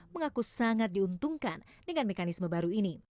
mengaku sangat diuntungkan dengan mekanisme baru ini